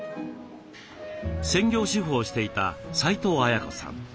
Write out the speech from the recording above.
専業主婦をしていた齊藤綾子さん。